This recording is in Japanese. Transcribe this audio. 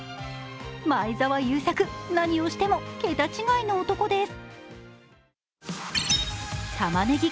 前澤友作、何をしても桁違いの男です。